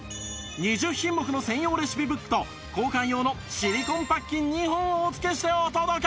２０品目の専用レシピブックと交換用のシリコンパッキン２本をお付けしてお届け！